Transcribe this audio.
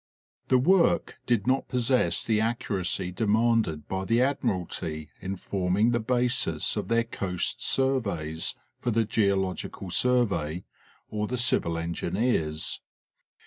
The work did not possess the accuracy demanded by the admiralty in forming the basis of their coast surveys for the Geo logical Survey or the civil engineers.